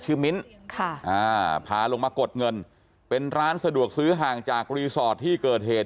มิ้นพาลงมากดเงินเป็นร้านสะดวกซื้อห่างจากรีสอร์ทที่เกิดเหตุ